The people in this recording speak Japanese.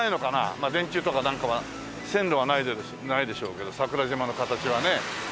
まあ電柱とかなんかは線路はないでしょうけど桜島の形はね。